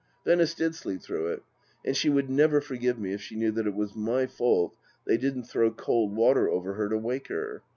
Venice did sleep through it. And she would never forgive me if she knew that it was my fault they didn't throw cold water over her to wake her.